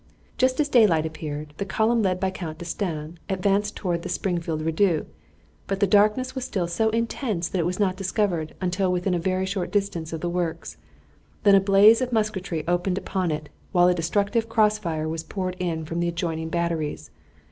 Just as daylight appeared the column led by Count D'Estaing advanced toward the Springfield redoubt, but the darkness was still so intense that it was not discovered until within a very short distance of the works. Then a blaze of musketry opened upon it, while a destructive cross fire was poured in from the adjoining batteries.